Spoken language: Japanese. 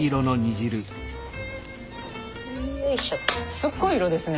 すっごい色ですね。